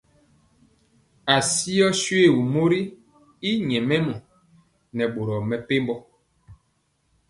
Asió shuégu mori y nyɛmemɔ nɛ boro mepempɔ.